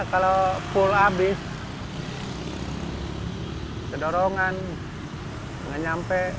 kalau dua jalan rp enam puluh buat makan aja